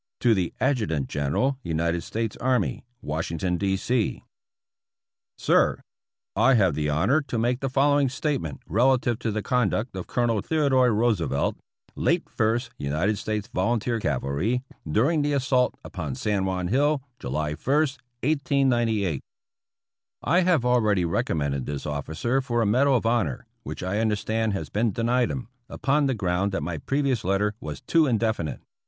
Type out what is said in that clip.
To THE Adjutant General, United States Army, Washington, D. C. Sir : I have the honor to make the following statement relative to the conduct of Colonel Theodore Roosevelt, late First United States Volunteer Cavalry, during the assault upon San Juan Hill, July i, 1898. I have already recommended this officer for a medal of honor, which I understand has been denied him, upon the ground that my previous letter was too indefinite.